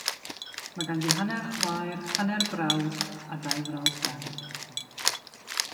Mae ganddi hanner chwaer, hanner brawd, a dau frawd iau.